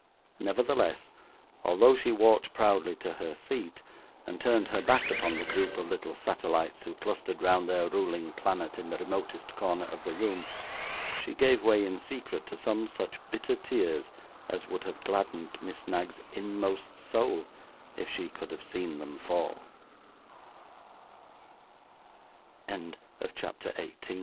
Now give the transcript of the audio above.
Nevertheless, although she walked proudly to her seat, and turned her back upon the group of little satellites who clustered round their ruling planet in the remotest corner of the room, she gave way, in secret, to some such bitter tears as would have gladdened Miss Knag's inmost soul, i